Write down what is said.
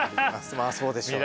まあそうでしょうね。